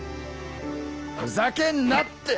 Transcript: ふざけんなって！